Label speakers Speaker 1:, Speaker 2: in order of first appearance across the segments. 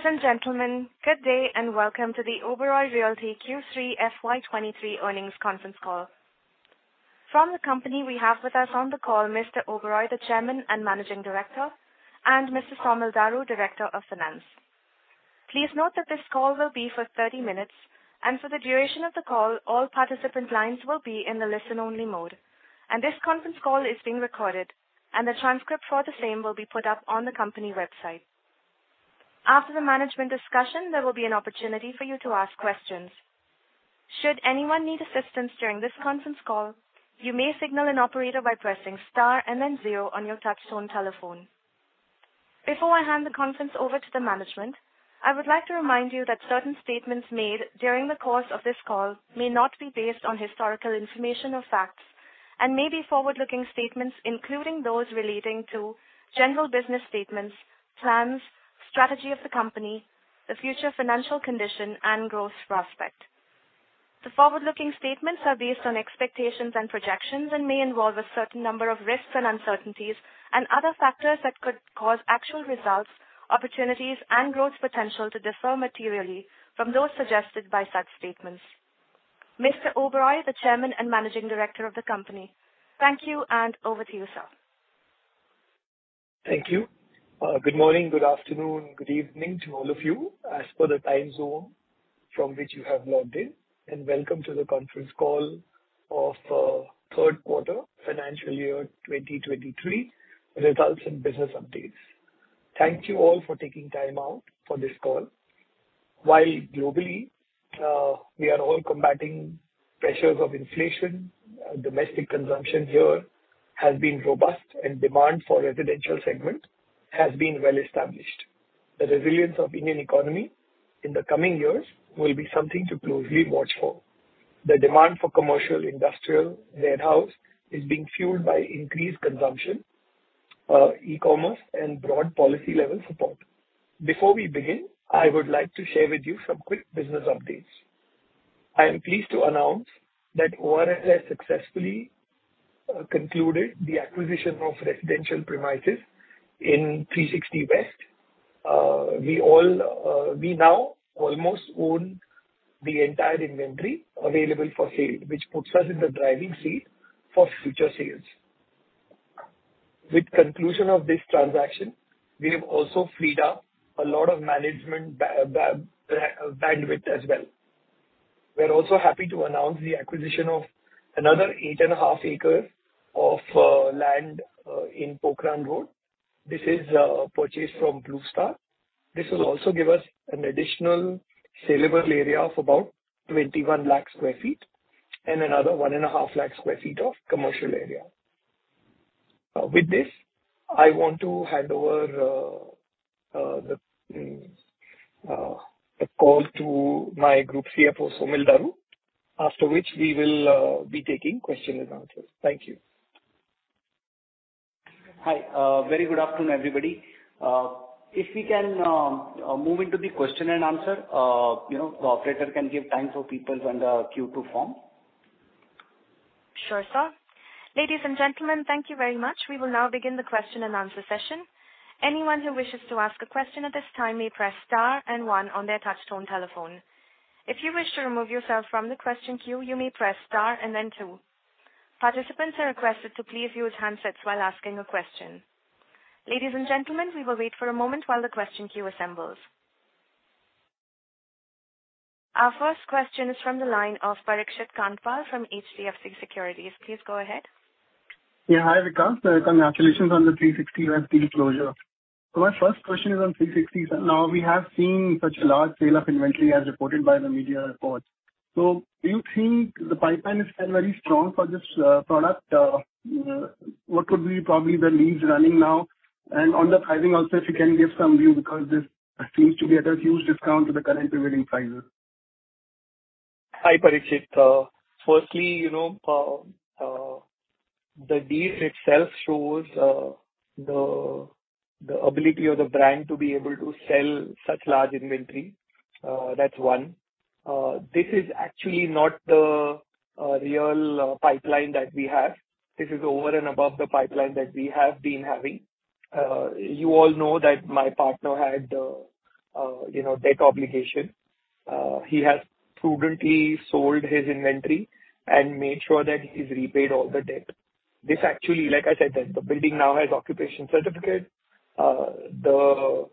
Speaker 1: Ladies and gentlemen, good day and welcome to the Oberoi Realty Q3 FY23 earnings conference call. From the company we have with us on the call Mr. Oberoi, the Chairman and Managing Director, and Mr. Saumil Daru, Director of Finance. Please note that this call will be for 30 minutes, for the duration of the call, all participant lines will be in the listen-only mode. This conference call is being recorded, and the transcript for the same will be put up on the company website. After the management discussion, there will be an opportunity for you to ask questions. Should anyone need assistance during this conference call, you may signal an operator by pressing star and then zero on your touchtone telephone. Before I hand the conference over to the management, I would like to remind you that certain statements made during the course of this call may not be based on historical information or facts and may be forward-looking statements, including those relating to general business statements, plans, strategy of the company, the future financial condition and growth prospect. The forward-looking statements are based on expectations and projections and may involve a certain number of risks and uncertainties and other factors that could cause actual results, opportunities, and growth potential to differ materially from those suggested by such statements. Mr. Oberoi, the Chairman and Managing Director of the company. Thank you, and over to you, sir.
Speaker 2: Thank you. Good morning, good afternoon, good evening to all of you as per the time zone from which you have logged in. Welcome to the conference call of Q3 FY23 results and business updates. Thank you all for taking time out for this call. While globally, we are all combating pressures of inflation, domestic consumption here has been robust and demand for residential segment has been well established. The resilience of Indian economy in the coming years will be something to closely watch for. The demand for commercial, industrial, warehouse is being fueled by increased consumption, e-commerce and broad policy level support. Before we begin, I would like to share with you some quick business updates. I am pleased to announce that ORL successfully concluded the acquisition of residential premises in 360 West. We all, we now almost own the entire inventory available for sale, which puts us in the driving seat for future sales. With conclusion of this transaction, we have also freed up a lot of management bandwidth as well. We're also happy to announce the acquisition of another 8.5 acres of land in Pokhran Road. This is purchased from Blue Star. This will also give us an additional saleable area of about 21 lakh sq ft and another 1.5 lakh sq ft of commercial area. With this, I want to hand over the call to my Group CFO, Saumil Daru, after which we will be taking question and answers. Thank you. Hi, very good afternoon, everybody. If we can, move into the question and answer, you know, the operator can give time for people in the queue to form.
Speaker 1: Sure, sir. Ladies and gentlemen, thank you very much. We will now begin the question-and-answer session. Anyone who wishes to ask a question at this time may press star and one on their touch-tone telephone. If you wish to remove yourself from the question queue, you may press star and then two. Participants are requested to please use handsets while asking a question. Ladies and gentlemen, we will wait for a moment while the question queue assembles. Our first question is from the line of Parikshit Kandpal from HDFC Securities. Please go ahead.
Speaker 3: Yeah. Hi, Vikas. Congratulations on the 360 West deal closure. My first question is on 360, sir. Now, we have seen such a large sale of inventory as reported by the media reports. Do you think the pipeline is still very strong for this product? What could be probably the leads running now? On the pricing also, if you can give some view because this seems to be at a huge discount to the current prevailing prices.
Speaker 2: Hi, Parikshit. Firstly, you know, the deal itself shows the ability of the brand to be able to sell such large inventory. That's one. This is actually not the real pipeline that we have. This is over and above the pipeline that we have been having. You all know that my partner had, you know, debt obligation. He has prudently sold his inventory and made sure that he's repaid all the debt. This actually like I said that the building now has occupation certificate. The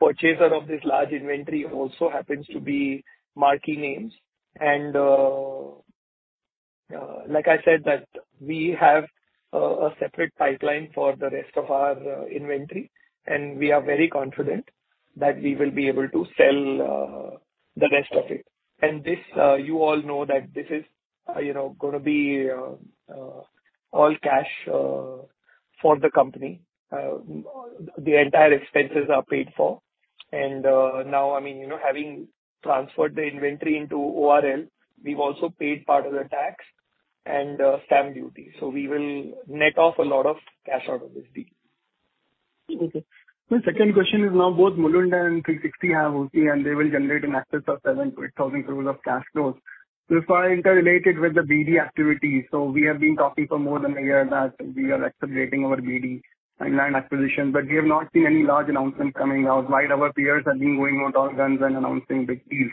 Speaker 2: purchaser of this large inventory also happens to be marquee names. Like I said that we have a separate pipeline for the rest of our inventory. We are very confident that we will be able to sell the rest of it. This, you all know that this is, you know, gonna be, all cash, for the company. The entire expenses are paid for. Now, I mean, you know, having transferred the inventory into ORL, we've also paid part of the tax and, stamp duty. We will net off a lot of cash out of this deal.
Speaker 3: Okay. The second question is now both Mulund and 360 West have OC, and they will generate an excess of 7,000 crore- 8,000 crore of cash flows. This one interrelated with the BD activity. We have been talking for more than a year that we are accelerating our BD and land acquisition, but we have not seen any large announcements coming out, while our peers have been going out all guns and announcing big deals.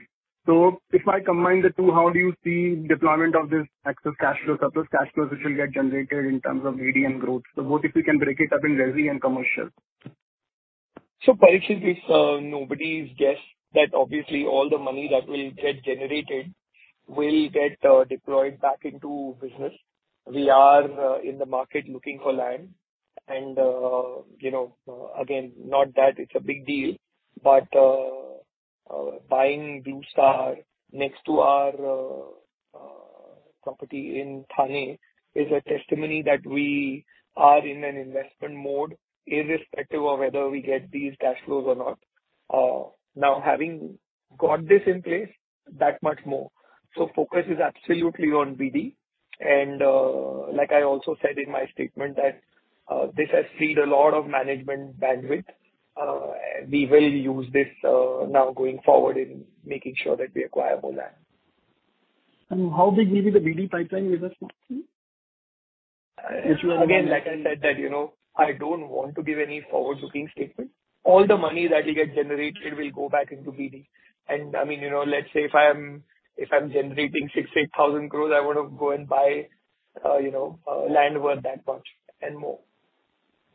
Speaker 3: If I combine the two, how do you see deployment of this excess cash flow, surplus cash flow which will get generated in terms of BD and growth? What if you can break it up in resi and commercial?
Speaker 2: Parikshit, it is nobody's guess that obviously all the money that will get generated will get deployed back into business. We are in the market looking for land and, you know, again, not that it's a big deal, but buying Blue Star next to our property in Thane is a testimony that we are in an investment mode irrespective of whether we get these cash flows or not. Now, having got this in place that much more, focus is absolutely on BD. Like I also said in my statement that this has freed a lot of management bandwidth. We will use this now going forward in making sure that we acquire more land.
Speaker 3: How big maybe the BD pipeline with us next year?
Speaker 2: Again, like I said that, you know, I don't want to give any forward-looking statement. All the money that we get generated will go back into BD. I mean, you know, let's say if I'm generating 6,000 crore-8,000 crores, I wanna go and buy, you know, land worth that much and more.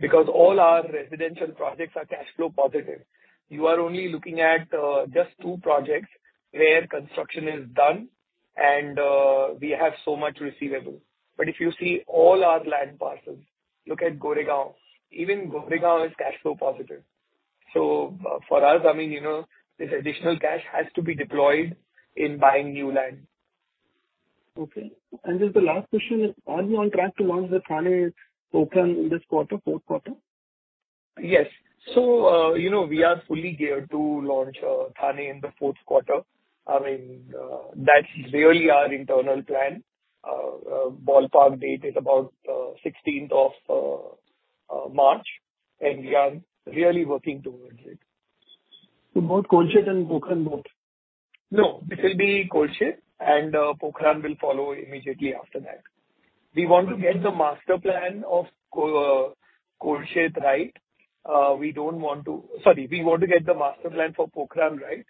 Speaker 2: Because all our residential projects are cash flow positive. You are only looking at just two projects where construction is done and we have so much receivable. If you see all our land parcels, look at Goregaon. Even Goregaon is cash flow positive. For us, I mean, you know, this additional cash has to be deployed in buying new land.
Speaker 3: Okay. Just the last question is, are you on track to launch the Thane Pokhran in this quarter, Q4?
Speaker 2: Yes. you know, we are fully geared to launch, Thane in the Q4. I mean, that's really our internal plan. Ballpark date is about 16th of March, and we are really working towards it.
Speaker 3: Both Kolshet and Pokhran, both?
Speaker 2: It will be Kolshet and Pokhran will follow immediately after that. We want to get the master plan of Kolshet right. We want to get the master plan for Pokhran right.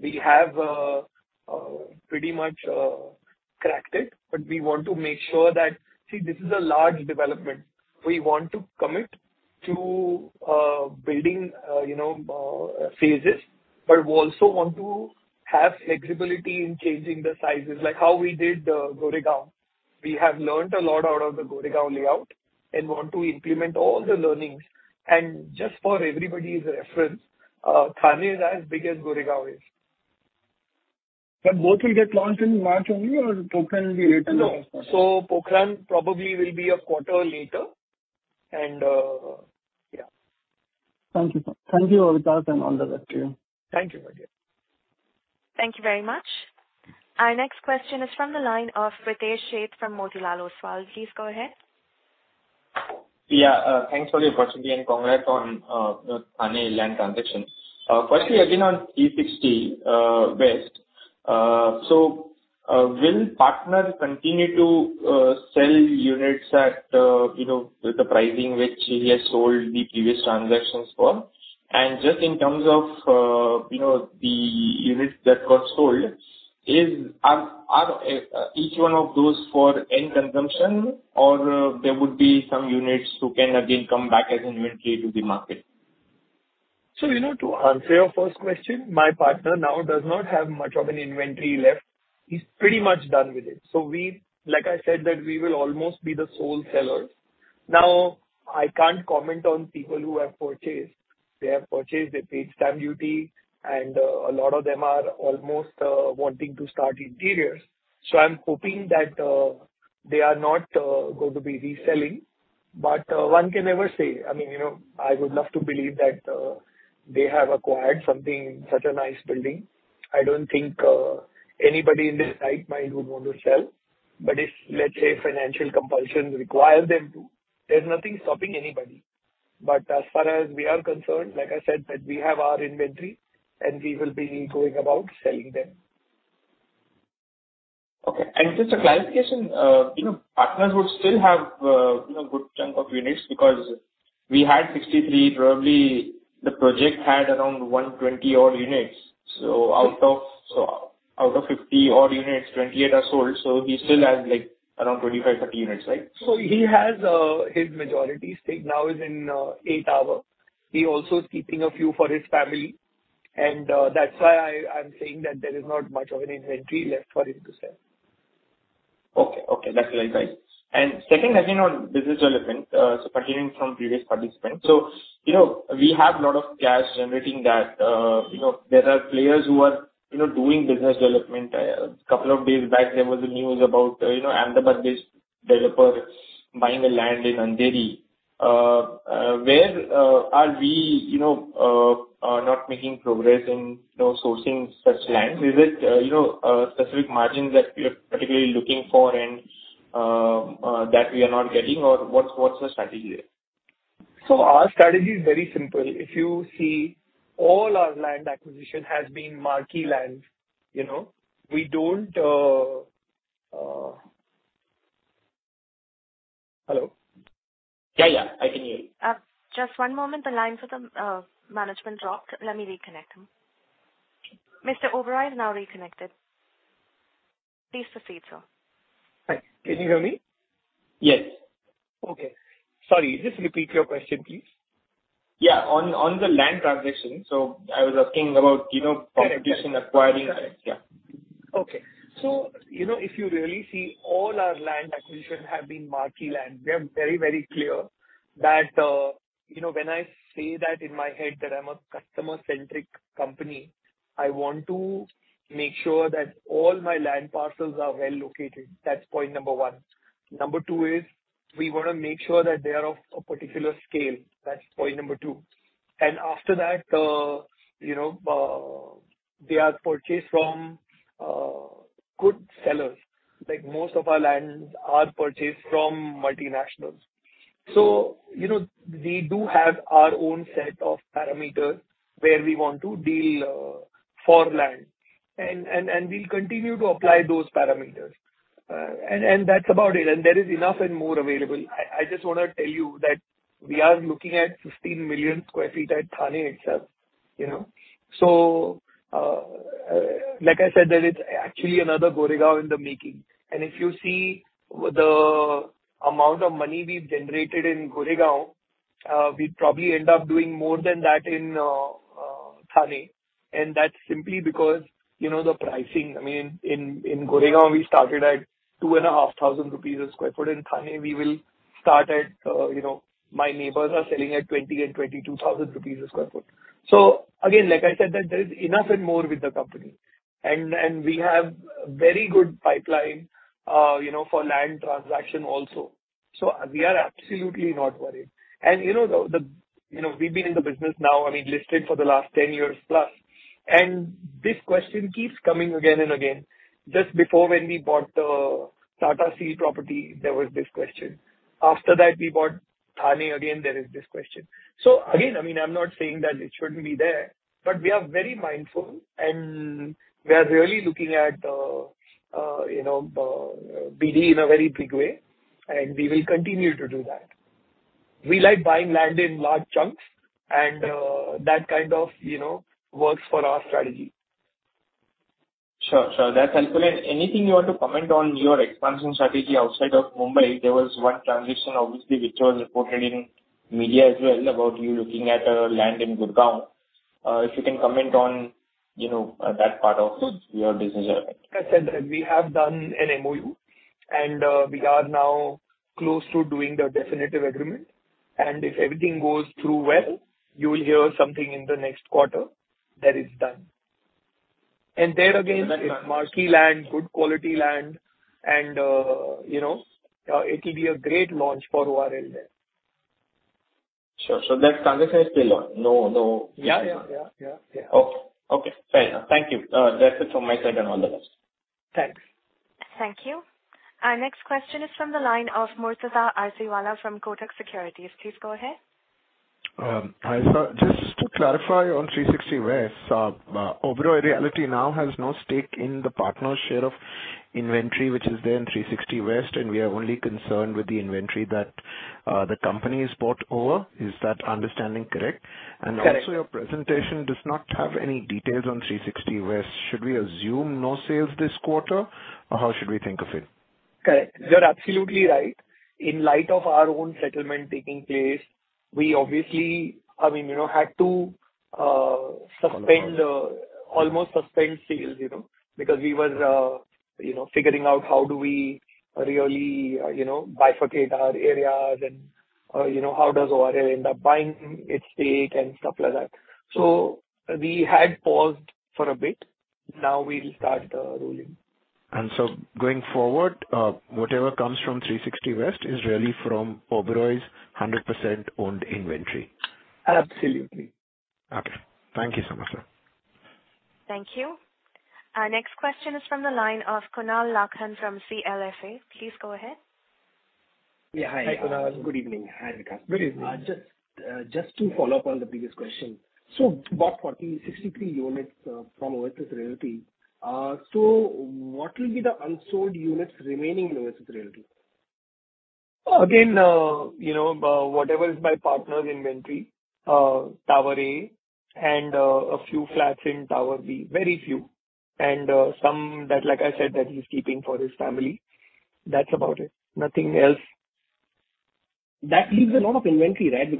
Speaker 2: We have pretty much cracked it, but we want to make sure that. See, this is a large development. We want to commit to building, you know, phases, but we also want to have flexibility in changing the sizes, like how we did Goregaon. We have learned a lot out of the Goregaon layout and want to implement all the learnings. Just for everybody's reference, Thane is as big as Goregaon is.
Speaker 3: Both will get launched in March only, or Pokhran will be later than March?
Speaker 2: No. Pokhran probably will be a quarter later and, yeah.
Speaker 3: Thank you. Thank you, Vikas, and all the best to you.
Speaker 2: Thank you, Parikshit.
Speaker 1: Thank you very much. Our next question is from the line of Pritesh Sheth from Motilal Oswal. Please go ahead.
Speaker 4: Yeah. Thanks for your opportunity and congrats on the Thane land transaction. Firstly again on 360 West. Will partner continue to sell units at, you know, with the pricing which he has sold the previous transactions for? Just in terms of, you know, the units that got sold, are each one of those for end consumption or there would be some units who can again come back as an inventory to the market?
Speaker 2: You know, to answer your first question, my partner now does not have much of an inventory left. He's pretty much done with it. Like I said, that we will almost be the sole sellers. I can't comment on people who have purchased. They have purchased, they paid stamp duty, and a lot of them are almost wanting to start interiors. I'm hoping that they are not going to be reselling. One can never say. I mean, you know, I would love to believe that they have acquired something, such a nice building. I don't think anybody in their right mind would want to sell. If, let's say, financial compulsion require them to, there's nothing stopping anybody. As far as we are concerned, like I said, that we have our inventory and we will be going about selling them.
Speaker 4: Okay. Just a clarification, you know, partners would still have, you know, good chunk of units because we had 63, probably the project had around 120 odd units. Out of 50 odd units, 28 are sold, so he still has, like, around 25, 30 units, right?
Speaker 2: He has his majority stake now is in A Tower. He also is keeping a few for his family, and that's why I'm saying that there is not much of an inventory left for him to sell.
Speaker 4: Okay. Okay, that's clear. Second, again, on business development, pertaining from previous participants. You know, we have a lot of cash generating that, you know, there are players who are, you know, doing business development. A couple of days back, there was a news about, you know, Ambani's developer buying a land in Andheri. Where are we, you know, not making progress in, you know, sourcing such lands? Is it, you know, a specific margin that we are particularly looking for and that we are not getting or what's the strategy there?
Speaker 2: Our strategy is very simple. If you see all our land acquisition has been marquee land, you know. We don't. Hello?
Speaker 4: Yeah, yeah. I can hear you.
Speaker 1: Just one moment. The line for the management dropped. Let me reconnect him. Mr. Oberoi is now reconnected. Please proceed, sir.
Speaker 2: Hi. Can you hear me?
Speaker 4: Yes.
Speaker 2: Okay. Sorry, just repeat your question, please?
Speaker 4: Yeah. On the land transaction. I was asking about, you know competition acquiring. Yeah.
Speaker 2: You know, if you really see all our land acquisition have been marquee land. We are very, very clear that, you know, when I say that in my head that I'm a customer-centric company, I want to make sure that all my land parcels are well located. That's point number one. Number two is we wanna make sure that they are of a particular scale. That's point number two. After that, you know, they are purchased from good sellers. Like, most of our lands are purchased from multinationals. You know, we do have our own set of parameters where we want to deal for land and we'll continue to apply those parameters. That's about it. There is enough and more available. I just wanna tell you that we are looking at 15 million sq ft at Thane itself, you know. Like I said, that it's actually another Goregaon in the making. If you see the amount of money we've generated in Goregaon, we'd probably end up doing more than that in Thane. That's simply because, you know, the pricing. I mean, in Goregaon we started at 2,500 a sq ft. In Thane we will start at, you know, my neighbors are selling at 20,000 and 22,000 rupees a sq ft. Again, like I said, that there is enough and more with the company. We have very good pipeline, you know, for land transaction also. We are absolutely not worried. You know, the, you know, we've been in the business now, I mean, listed for the last 10+ years, and this question keeps coming again and again. Just before when we bought the Tata Steel property, there was this question. After that we bought Thane, again, there is this question. Again, I mean, I'm not saying that it shouldn't be there, but we are very mindful and we are really looking at, you know, BD in a very big way, and we will continue to do that. We like buying land in large chunks and that kind of, you know, works for our strategy.
Speaker 4: Sure, sure. That's helpful. Anything you want to comment on your expansion strategy outside of Mumbai? There was one transaction obviously which was reported in media as well about you looking at land in Gurgaon. If you can comment on, you know, that part of your business.
Speaker 2: I said that we have done an MoU and we are now close to doing the definitive agreement. If everything goes through well, you'll hear something in the next quarter that is done. And there, again, is marquee land, good quality land, and, you know, it'll be a great launch for ORL there.
Speaker 4: Sure. That transaction is still on? No.
Speaker 2: Yeah, yeah. Yeah, yeah.
Speaker 4: Okay. Fair enough. Thank you. That's it from my side and all the best.
Speaker 2: Thanks.
Speaker 1: Thank you. Our next question is from the line of Murtuza Arsiwalla from Kotak Securities. Please go ahead.
Speaker 5: Hi, sir. Just to clarify on 360 West. Oberoi Realty now has no stake in the partner share of inventory which is there in 360 West, and we are only concerned with the inventory that the company has bought over. Is that understanding correct?
Speaker 2: Correct.
Speaker 5: Also your presentation does not have any details on 360 West. Should we assume no sales this quarter, or how should we think of it?
Speaker 2: Correct. You're absolutely right. In light of our own settlement taking place, we obviously, I mean, you know, had to suspend, almost suspend sales, you know, because we were, you know, figuring out how do we really, you know, bifurcate our areas and, you know, how does ORL end up buying its stake and stuff like that. We had paused for a bit. We'll start rolling.
Speaker 5: Going forward, whatever comes from 360 West is really from Oberoi's 100% owned inventory.
Speaker 2: Absolutely.
Speaker 5: Okay. Thank you so much, sir.
Speaker 1: Thank you. Our next question is from the line of Kunal Lakhan from CLSA. Please go ahead.
Speaker 6: Yeah, hi.
Speaker 2: Hi, Kunal.
Speaker 6: Good evening. Hi, Vikas.
Speaker 2: Good evening.
Speaker 6: Just to follow up on the previous question. You bought 40, 63 units from Oasis Realty. What will be the unsold units remaining in Oasis Realty?
Speaker 2: Again, you know, whatever is my partner's inventory, tower A and a few flats in tower B, very few. And some that, like I said, that he's keeping for his family. That's about it. Nothing else.
Speaker 6: That leaves a lot of inventory, right?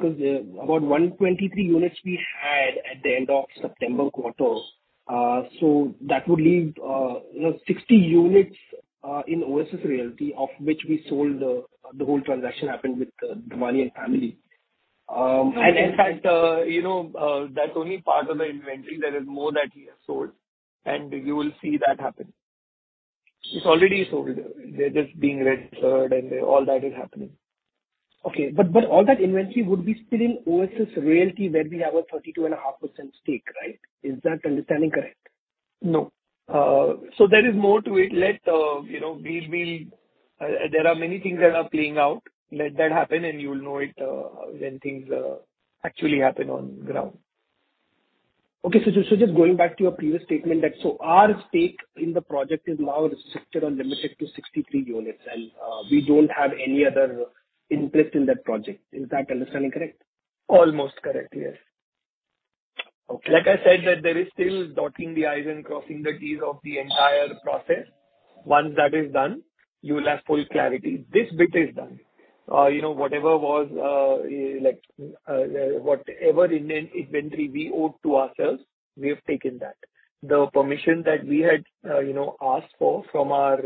Speaker 6: About 123 units we had at the end of September quarter. That would leave, you know, 60 units in Oasis Realty, of which we sold, the whole transaction happened with Dhvani and family.
Speaker 2: In fact, you know, that's only part of the inventory. There is more that he has sold and you will see that happen. It's already sold. They're just being registered and all that is happening.
Speaker 6: Okay. All that inventory would be still in Oasis Realty, where we have a 32.5% stake, right? Is that understanding correct?
Speaker 2: No. There is more to it. Let, you know, there are many things that are playing out. Let that happen, you will know it, when things, actually happen on ground.
Speaker 6: Okay. Just going back to your previous statement that so our stake in the project is now restricted or limited to 63 units, and we don't have any other interest in that project. Is that understanding correct?
Speaker 2: Almost correct. Yes.
Speaker 6: Okay.
Speaker 2: Like I said, that there is still dotting the I's and crossing the T's of the entire process. Once that is done, you will have full clarity. This bit is done. You know, whatever was, like, whatever inventory we owed to ourselves, we have taken that. The permission that we had, you know, asked for from our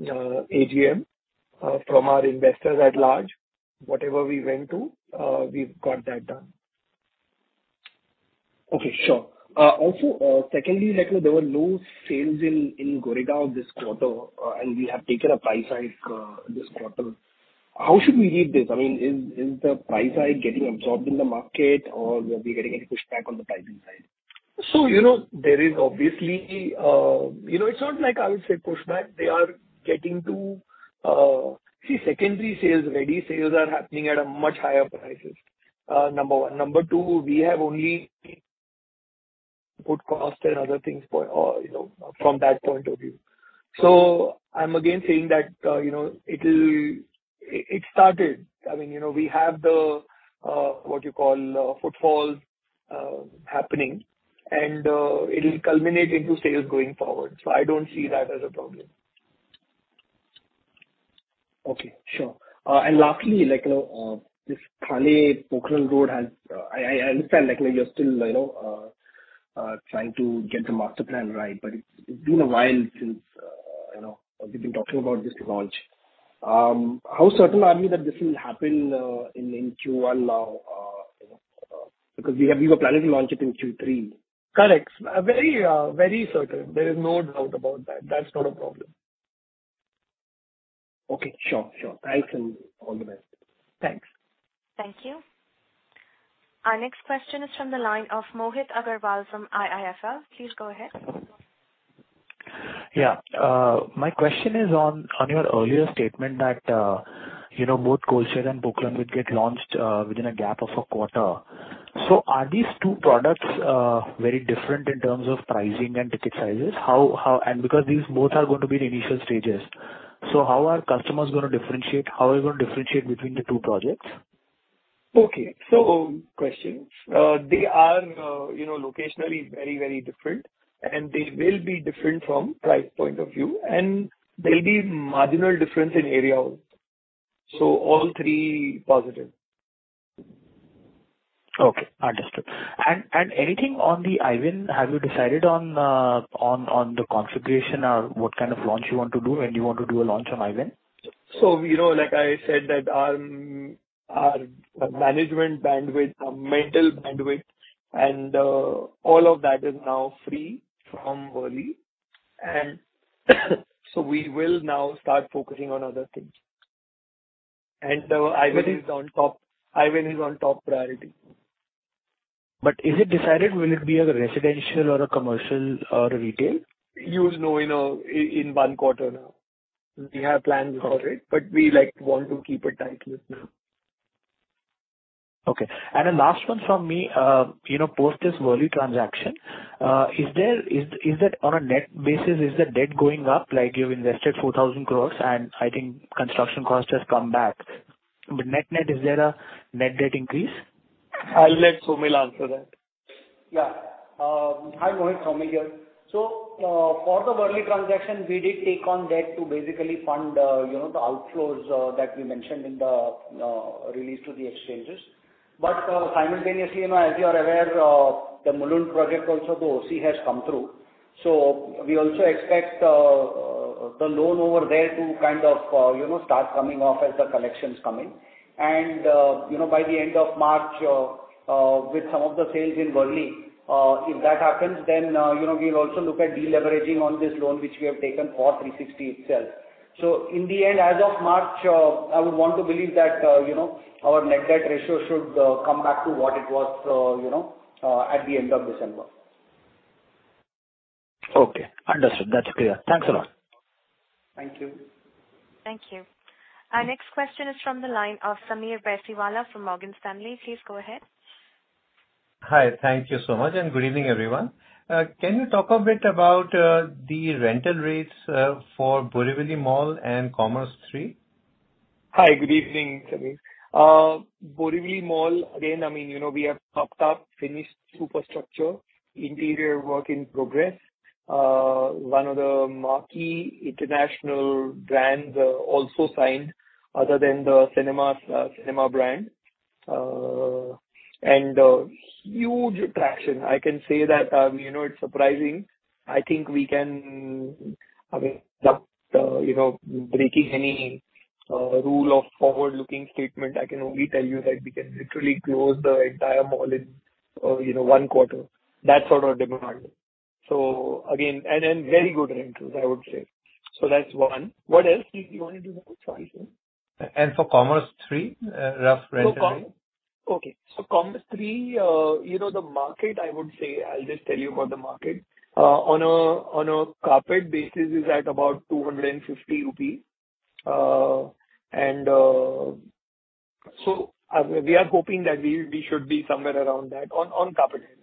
Speaker 2: AGM, from our investors at large, whatever we went to, we've got that done.
Speaker 6: Okay. Sure. Also, secondly, like there were no sales in Goregaon this quarter, and we have taken a price hike this quarter. How should we read this? I mean, is the price hike getting absorbed in the market, or we are getting any pushback on the pricing side?
Speaker 2: You know, there is obviously, you know, it's not like I would say pushback. They are getting to. See, secondary sales, ready sales are happening at a much higher price. Number one. Number two, we have only put cost and other things for, you know, from that point of view. I'm again saying that, you know, it'll, it started. I mean, you know, we have the what you call footfalls happening, and it'll culminate into sales going forward. I don't see that as a problem.
Speaker 6: Okay. Sure. Lastly, like, you know, this Khale Pokhran Road has, I understand, like, you know, you're still, you know, trying to get the master plan right. It's, it's been a while since, you know, we've been talking about this launch. How certain are you that this will happen in Q1, you know, because we were planning to launch it in Q3?
Speaker 2: Correct. Very, very certain. There is no doubt about that. That's not a problem.
Speaker 6: Okay. Sure. Sure. Thanks, and all the best.
Speaker 2: Thanks.
Speaker 1: Thank you. Our next question is from the line of Mohit Agrawal from IIFL. Please go ahead.
Speaker 7: Yeah. My question is on your earlier statement that, you know, both Kolshet and Pokhran would get launched within a gap of a quarter. Are these two products very different in terms of pricing and ticket sizes? How? Because these both are going to be in initial stages, how are customers gonna differentiate? How are you gonna differentiate between the two projects?
Speaker 2: Okay. Good question. They are, you know, locationally very, very different, and they will be different from price point of view, and there'll be marginal difference in area also. All three positive.
Speaker 7: Okay, understood. Anything on the I-Ven? Have you decided on the configuration or what kind of launch you want to do when you want to do a launch on I-Ven?
Speaker 2: You know, like I said, that our management bandwidth, our mental bandwidth and all of that is now free from Worli. We will now start focusing on other things. I-Venis on top. I-Ven is on top priority.
Speaker 7: Is it decided will it be a residential or a commercial or a retail?
Speaker 2: You will know, you know, in one quarter now. We have plans for it, but we, like, want to keep it tight-lipped now.
Speaker 7: Okay. A last one from me. you know, post this Worli transaction, is it on a net basis, is the debt going up like you've invested 4,000 crores and I think construction cost has come back, but net-net is there a net debt increase?
Speaker 2: I'll let Saumil answer that.
Speaker 8: Yeah. Hi, Mohit. Saumil here. For the Worli transaction, we did take on debt to basically fund, you know, the outflows that we mentioned in the release to the exchanges. Simultaneously, you know, as you are aware, the Mulund project also the OC has come through. We also expect the loan over there to kind of, you know, start coming off as the collections come in. You know, by the end of March, with some of the sales in Worli, if that happens, then, you know, we'll also look at deleveraging on this loan which we have taken for 360 itself. In the end, as of March, I would want to believe that, you know, our net debt ratio should come back to what it was, you know, at the end of December.
Speaker 7: Okay, understood. That's clear. Thanks a lot.
Speaker 8: Thank you.
Speaker 1: Thank you. Our next question is from the line of Sameer Baisiwala from Morgan Stanley. Please go ahead.
Speaker 9: Hi. Thank you so much. Good evening, everyone. Can you talk a bit about the rental rates for Borivali Mall and Commerz III?
Speaker 2: Hi. Good evening, Sameer. Borivali Mall, again, I mean, you know, we have topped up finished superstructure, interior work in progress. One of the marquee international brands, also signed other than the cinemas, cinema brand. A huge attraction, I can say that, you know, it's surprising. I think we can, I mean, without, you know, breaking any rule of forward-looking statement, I can only tell you that we can literally close the entire mall in, you know, one quarter. That sort of demand. Again. Very good rentals, I would say. That's one. What else did you wanted to know, sorry, sir?
Speaker 9: For Commerz III, rough rental rate?
Speaker 2: Commerz III, you know, the market, I would say, I'll just tell you about the market. On a carpet basis is at about 250 rupees. We are hoping that we should be somewhere around that on carpet area.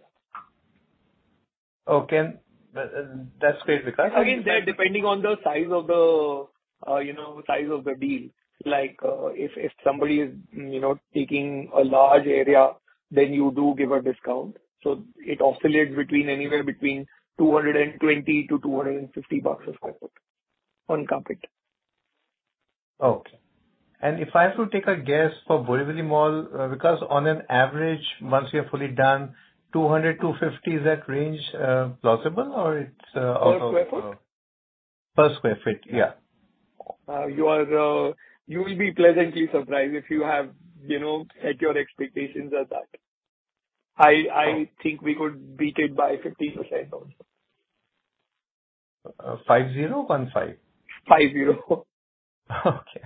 Speaker 9: Okay. That's great because...
Speaker 2: They're depending on the size of the, you know, size of the deal. Like, if somebody is, you know, taking a large area, then you do give a discount. It oscillates between anywhere between 220 a square foot to INR 250 a square foot. On cap rate.
Speaker 9: Okay. If I have to take a guess for Borivali Mall, because on an average, once you're fully done, 200, 250, is that range plausible?
Speaker 2: Per square foot?
Speaker 9: Per square foot. Yeah.
Speaker 2: You will be pleasantly surprised if you have, you know, set your expectations at that. I think we could beat it by 50% also.
Speaker 9: Uh, five zero? One five?
Speaker 2: Five zero.
Speaker 9: Okay.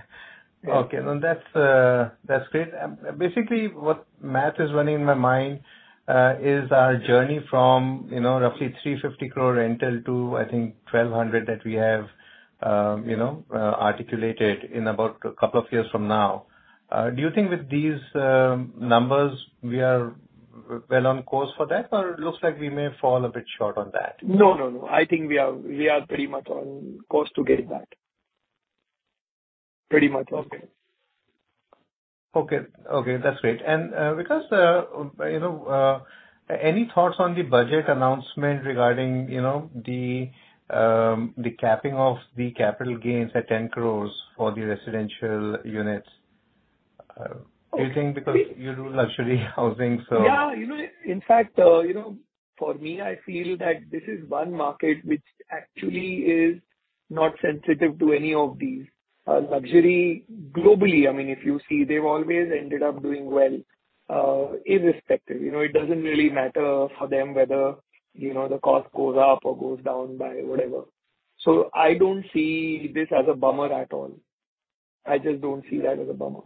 Speaker 9: Okay. No, that's great. Basically what math is running in my mind, is our journey from, you know, roughly 350 crore rental to, I think, 1,200 crore that we have, you know, articulated in about a couple of years from now. Do you think with these numbers we are well on course for that, or it looks like we may fall a bit short on that?
Speaker 2: No, no. I think we are pretty much on course to get that. Pretty much.
Speaker 9: Okay. Okay. Okay, that's great. Because, you know, any thoughts on the budget announcement regarding, you know, the capping of the capital gains at 10 crores for the residential units? Do you think because you do luxury housing, so...
Speaker 2: Yeah. You know, in fact, you know, for me, I feel that this is one market which actually is not sensitive to any of these. Luxury globally, I mean, if you see, they've always ended up doing well, irrespective. You know, it doesn't really matter for them whether, you know, the cost goes up or goes down by whatever. I don't see this as a bummer at all. I just don't see that as a bummer.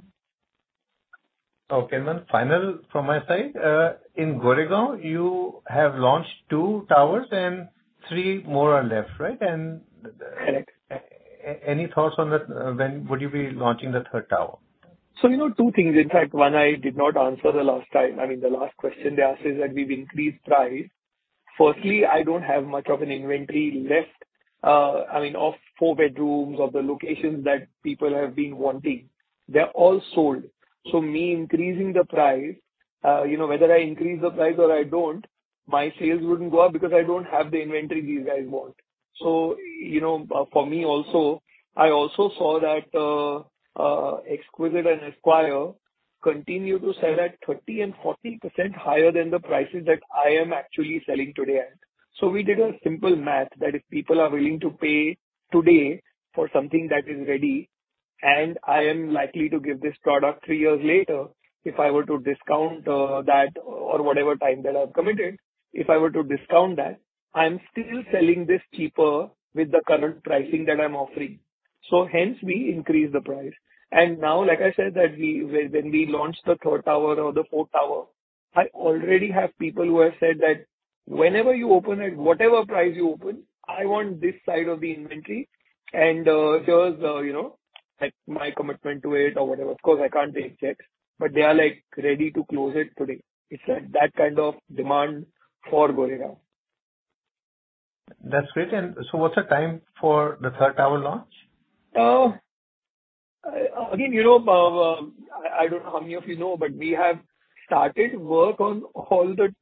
Speaker 9: Okay. Final from my side. In Goregaon, you have launched two towers and three more are left, right?
Speaker 2: Correct.
Speaker 9: Any thoughts on that? When would you be launching the third tower?
Speaker 2: You know, two things. In fact, one I did not answer the last time. I mean, the last question they asked is that we've increased price. Firstly, I don't have much of an inventory left, I mean, of four bedrooms, of the locations that people have been wanting. They're all sold. Me increasing the price, you know, whether I increase the price or I don't, my sales wouldn't go up because I don't have the inventory these guys want. You know, for me also, I also saw that, Exquisite and Esquire continue to sell at 30% and 40% higher than the prices that I am actually selling today at. We did a simple math that if people are willing to pay today for something that is ready, and I am likely to give this product three years later, if I were to discount that or whatever time that I've committed, if I were to discount that, I'm still selling this cheaper with the current pricing that I'm offering. Hence we increase the price. Now, like I said, that we, when we launch the third tower or the fourth tower, I already have people who have said that, "Whenever you open it, whatever price you open, I want this side of the inventory and, here's, you know, like my commitment to it or whatever." Of course, I can't take checks, but they are, like, ready to close it today. It's that kind of demand for Goregaon.
Speaker 9: That's great. What's the time for the third tower launch?
Speaker 2: Again, you know, I don't know how many of you know, but we have started work on all the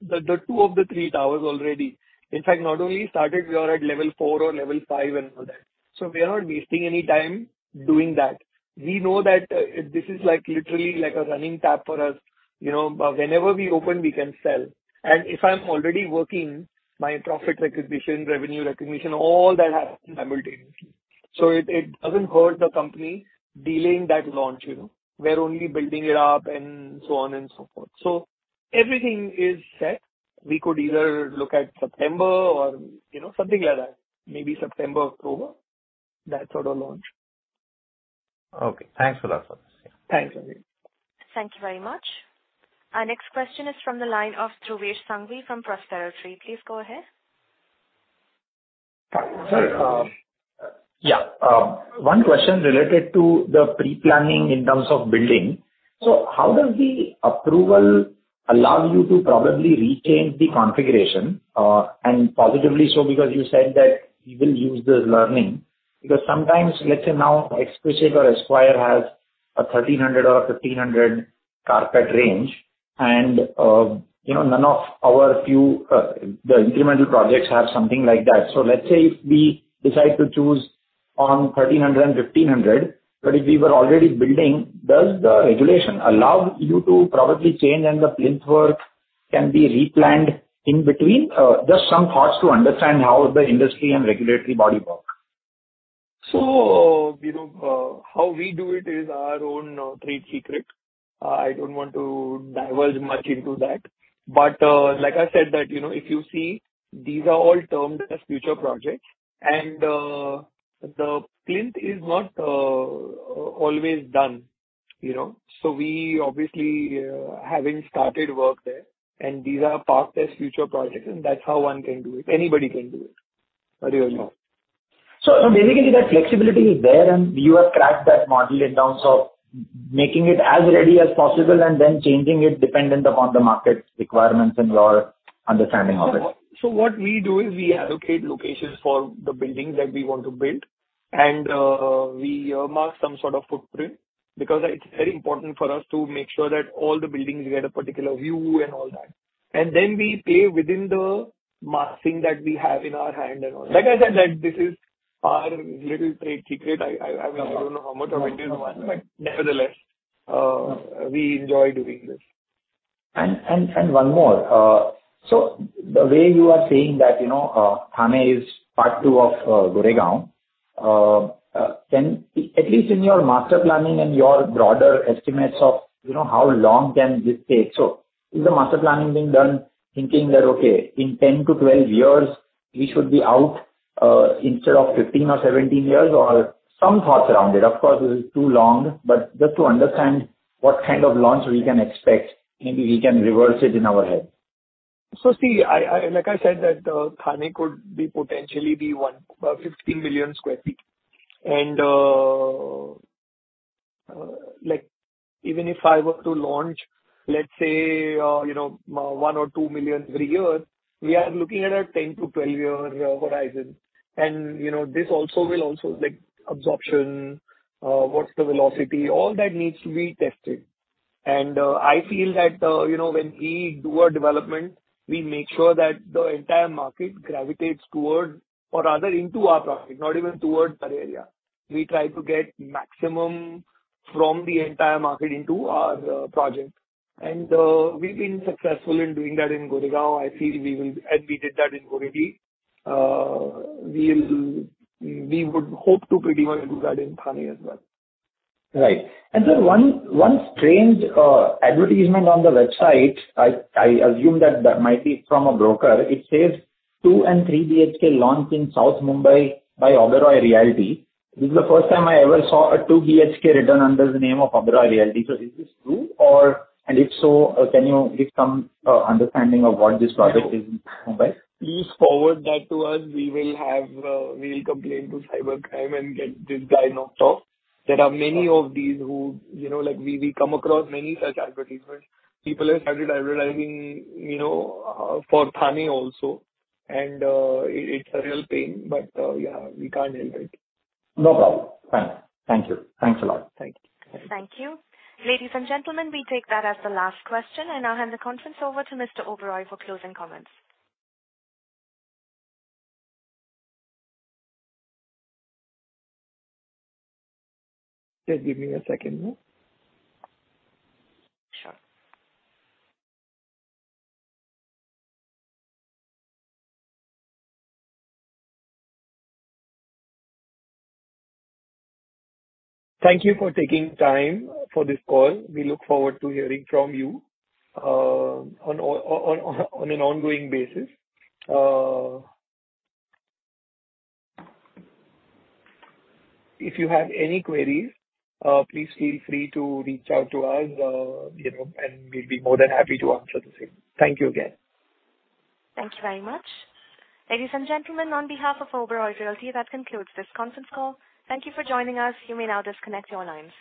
Speaker 2: two of the three towers already. In fact, not only started, we are at level four or level five and all that. We are not wasting any time doing that. We know that this is like literally like a running tap for us. You know, whenever we open, we can sell. If I'm already working my profit recognition, revenue recognition, all that happens simultaneously. It doesn't hurt the company delaying that launch, you know. We're only building it up and so on and so forth. Everything is set. We could either look at September or, you know, something like that. Maybe September, October, that sort of launch.
Speaker 9: Okay. Thanks for the update.
Speaker 2: Thanks, Sameer.
Speaker 1: Thank you very much. Our next question is from the line of Dhruvesh Sanghavi from Prospero Tree. Please go ahead.
Speaker 10: Sir.
Speaker 2: Yeah.
Speaker 10: One question related to the pre-planning in terms of building. How does the approval allow you to probably retain the configuration? Positively so because you said that you will use this learning. Sometimes, let's say now Exquisite or Esquire has a 1,300 or a 1,500-carpet range, and, you know, none of our few, the incremental projects have something like that. Let's say if we decide to choose on 1,300 and 1,500, but if we were already building, does the regulation allow you to probably change and the plinth work can be replanned in between? Just some thoughts to understand how the industry and regulatory body works.
Speaker 2: You know, how we do it is our own trade secret. I don't want to diverge much into that. Like I said that, you know, if you see these are all termed as future projects and the plinth is not always done, you know. We obviously haven't started work there, and these are parked as future projects, and that's how one can do it. Anybody can do it. What do you all know?
Speaker 10: Basically, that flexibility is there and you have cracked that model in terms of making it as ready as possible and then changing it dependent upon the market requirements and your understanding of it.
Speaker 2: What we do is we allocate locations for the buildings that we want to build and we mark some sort of footprint because it's very important for us to make sure that all the buildings get a particular view and all that. We play within the marking that we have in our hand and all. Like I said, this is our little trade secret. I don't know how much of it is one, but nevertheless, we enjoy doing this.
Speaker 10: One more. The way you are saying that, you know, Thane is part two of Goregaon. At least in your master planning and your broader estimates of, you know, how long can this take? Is the master planning being done thinking that, okay, in 10 to 12 years we should be out, instead of 15 or 17 years or some thoughts around it? Of course, this is too long, but just to understand what kind of launch we can expect, maybe we can reverse it in our head.
Speaker 2: See, I, like I said, that Thane could be potentially be one, 15 million sq ft. Like, even if I were to launch, let's say, you know, 1 million or 2 million every year, we are looking at a 10 to 12-year horizon. You know, this also will also like absorption, what's the velocity? All that needs to be tested. I feel that, you know, when we do our development, we make sure that the entire market gravitates towards or rather into our project, not even towards that area. We try to get maximum from the entire market into our project. We've been successful in doing that in Goregaon. I feel we will. We did that in Goregaon. We would hope to pretty well do that in Thane as well.
Speaker 10: Right. One strange advertisement on the website, I assume that that might be from a broker. It says 2 and 3 BHK launch in South Mumbai by Oberoi Realty. This is the first time I ever saw a 2 BHK written under the name of Oberoi Realty. Is this true or? If so, can you give some understanding of what this project is in Mumbai?
Speaker 2: Please forward that to us. We will have, we'll complain to cybercrime and get this guy knocked off. There are many of these who, you know, like we come across many such advertisements. People have started advertising, you know, for Thane also, and it's a real pain. Yeah, we can't help it.
Speaker 10: No problem. Fine. Thank you. Thanks a lot.
Speaker 2: Thank you.
Speaker 1: Thank you. Ladies and gentlemen, we take that as the last question. I'll hand the conference over to Mr. Oberoi for closing comments.
Speaker 2: Just give me a second, ma'am.
Speaker 1: Sure.
Speaker 2: Thank you for taking time for this call. We look forward to hearing from you, on an ongoing basis. If you have any queries, please feel free to reach out to us, you know, and we'll be more than happy to answer the same. Thank you again.
Speaker 1: Thank you very much. Ladies and gentlemen, on behalf of Oberoi Realty, that concludes this conference call. Thank you for joining us. You may now disconnect your lines.